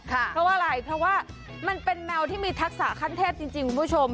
เพราะว่าอะไรเพราะว่ามันเป็นแมวที่มีทักษะขั้นเทพจริงคุณผู้ชม